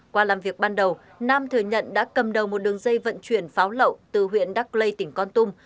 qua làm việc ban đầu nam thừa nhận đã cầm đầu một đường dây vận chuyển pháo lậu từ huyện đắc lây tỉnh con tum